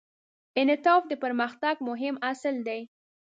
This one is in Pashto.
انعطاف د پرمختګ مهم اصل دی.